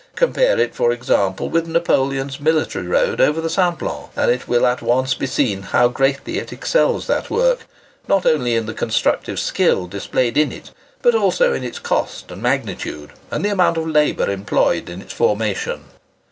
Compare it, for example with Napoleon's military road over the Simplon, and it will at once be seen how greatly it excels that work, not only in the constructive skill displayed in it, but also in its cost and magnitude, and the amount of labour employed in its formation.